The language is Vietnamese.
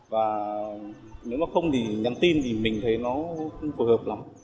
và nếu mà không thì nhắn tin thì mình thấy nó không phù hợp lắm